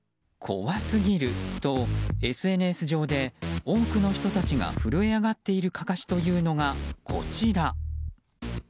怖すぎるとＳＮＳ上で多くの人たちが震え上がっているかかしというのが、こちら。